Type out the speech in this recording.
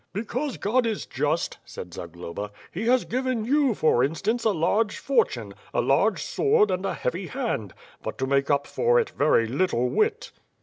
"Because God is just," said Zagloba, "He has given you, for instance, a large fortune, a large sword and a heavy hand; but, to make up for it, very little wit."